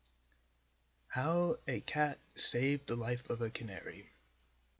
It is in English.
HOW A CAT SAVED THE LIFE OF A CANARY.